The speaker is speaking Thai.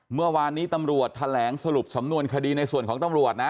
เมื่อวานนี้ตำรวจแถลงสรุปสำนวนคดีในส่วนของตำรวจนะ